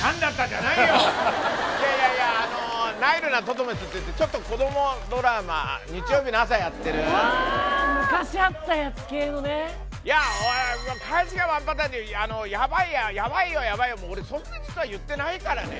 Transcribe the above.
いやいやいやあのー「ナイルなトトメス」っていってちょっと子どもドラマ日曜日の朝やってるあー昔あったやつ系のねいや返しがワンパターンって「ヤバいよヤバいよ」も俺そんな実は言ってないからね